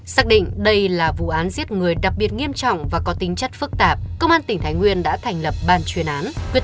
xác định đây là vụ án giết người đặc biệt nghiêm trọng và có tính chất phức tạp công an tỉnh thái nguyên đã thành lập ban chuyên án